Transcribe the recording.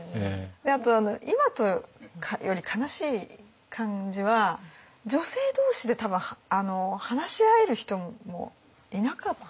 あと今とかより悲しい感じは女性どうしで多分話し合える人もいなかったかもしれないですよね。